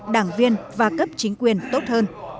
đảng viên và cấp chính quyền tốt hơn